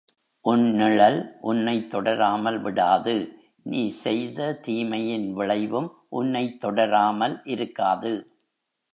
உன் நிழல் உன்னைத் தொடராமல் விடாது நீ செய்த தீமையின் விளைவும் உன்னைத் தொடராமல் இருக்காது.